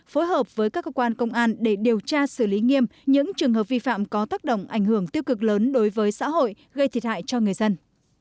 phối hợp với các cơ quan công an để điều tra xử lý nghiêm những trường hợp vi phạm có tác động ảnh hưởng tiêu cực lớn đối với xã hội gây thiệt hại cho người dân